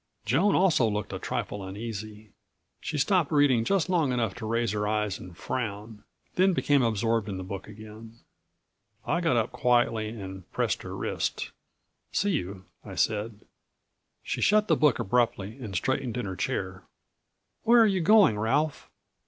Joan also looked a trifle uneasy. She stopped reading just long enough to raise her eyes and frown, then became absorbed in the book again. I got up quietly and pressed her wrist. "See you," I said. She shut the book abruptly and straightened in her chair. "Where are you going, Ralph?"